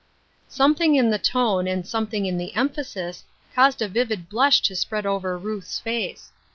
^^ Something in the tone and something in the emphasis caused a vivid blush to spread over Ruth's face.